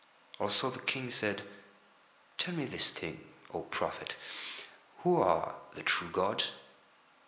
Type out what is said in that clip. Also the King said: "Tell me this thing, O prophet. Who are the true gods?"